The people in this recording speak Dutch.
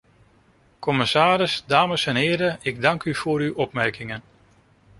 Commissaris, dames en heren, ik dank u voor uw opmerkingen.